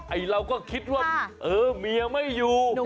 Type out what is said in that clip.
ไอ้เราก็คิดว่าเออเมียไม่อยู่